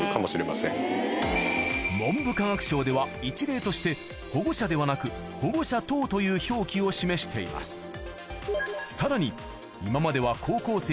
一例として「保護者」ではなく「保護者等」という表記を示しています